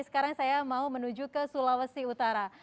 sekarang saya mau menuju ke sulawesi utara